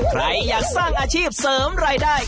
ใครอยากสร้างอาชีพเสริมรายได้